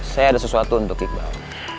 saya ada sesuatu untuk iqbal